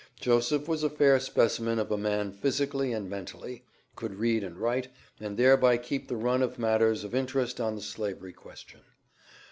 Joseph was a fair specimen of a man physically and mentally, could read and write, and thereby keep the run of matters of interest on the Slavery question.